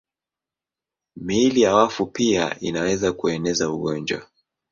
Miili ya wafu pia inaweza kueneza ugonjwa.